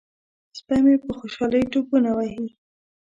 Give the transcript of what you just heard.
سپی مې په خوشحالۍ ټوپونه وهي.